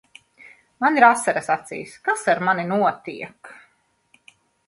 Man ir asaras acīs. Kas ar mani notiek?